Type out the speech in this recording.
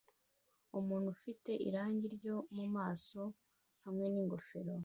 Umuntu ufite irangi ryo mumaso hamwe ningofero